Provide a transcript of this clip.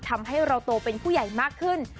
ทำให้เราโตเป็นผู้ใหญ่มากขึ้น